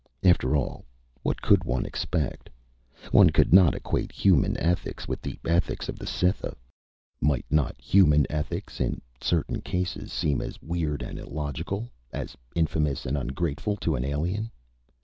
After all, what could one expect? One could not equate human ethics with the ethics of the Cytha. Might not human ethics, in certain cases, seem as weird and illogical, as infamous and ungrateful, to an alien?